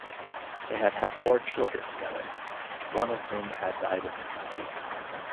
They had had four children together, one of whom had died in infancy.